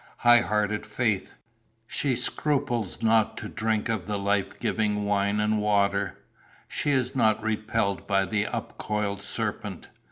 Highhearted Faith! she scruples not to drink of the life giving wine and water; she is not repelled by the upcoiled serpent.